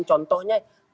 contohnya juga tidak ada nih